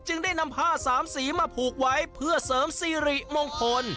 ได้นำผ้าสามสีมาผูกไว้เพื่อเสริมสิริมงคล